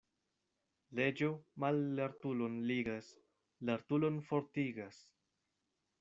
Leĝo mallertulon ligas, lertulon fortigas.